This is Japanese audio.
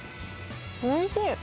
おいしい。